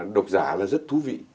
độc giả là rất thú vị